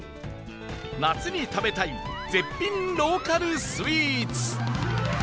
夏に食べたい絶品ローカルスイーツ